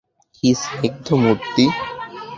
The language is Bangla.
কী স্নিগ্ধ মূর্তি!